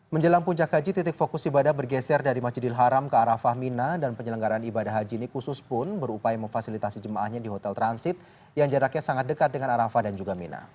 menjelang puncak haji titik fokus ibadah bergeser dari masjidil haram ke arafah mina dan penyelenggaran ibadah haji ini khusus pun berupaya memfasilitasi jemaahnya di hotel transit yang jaraknya sangat dekat dengan arafah dan juga mina